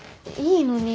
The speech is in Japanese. いいのに。